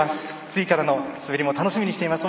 次からの滑りも楽しみにしています。